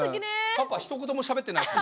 パパひと言もしゃべってなかった。